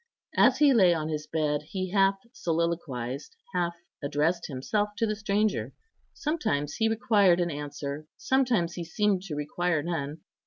As he lay on his bed, he half soliloquized, half addressed himself to the stranger. Sometimes he required an answer; sometimes he seemed to require none.